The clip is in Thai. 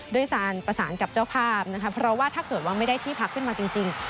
ด้วยการประสานกับเจ้าภาพนะคะเพราะว่าถ้าเกิดว่าไม่ได้ที่พักขึ้นมาจริง